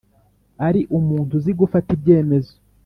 Ari umuntu uzi gufata ibyemezo